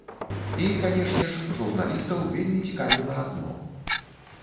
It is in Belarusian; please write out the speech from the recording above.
І, канешне ж, журналістаў вельмі цікавіла адно.